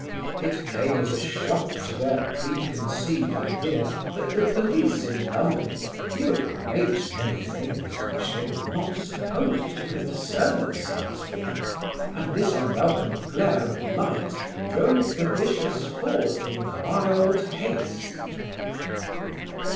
It came as a shock to their preconceived ideas that the police in London knew a great many things which they were not supposed to concern themselves with, and this unwelcome glare of light drove the vicious forth in wild haste.